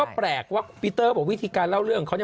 ซึ่งก็แปลกว่าพิเตอร์บอกวิธีการเล่าเรื่องเขา